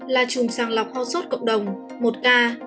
là chùm sàng lọc ho sốt cộng đồng một ca